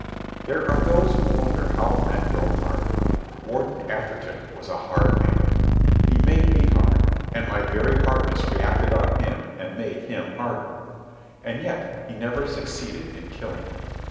There are those who wonder how men grow hard. Warden Atherton was a hard man. He made me hard, and my very hardness reacted on him and made him harder. And yet he never succeeded in killing me.